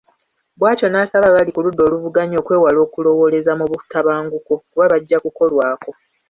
Bw’atyo n’asaba abali ku ludda oluvuganya okwewala okulowooleza mu butabanguko kuba bajja kukolwako.